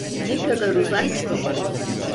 Ne kadar uzak?